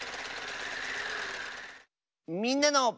「みんなの」。